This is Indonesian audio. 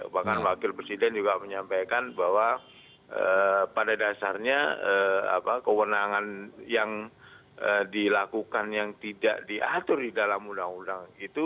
bahkan wakil presiden juga menyampaikan bahwa pada dasarnya kewenangan yang dilakukan yang tidak diatur di dalam undang undang itu